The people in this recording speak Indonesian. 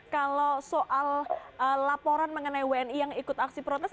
kalau soal laporan mengenai wni yang ikut aksi protes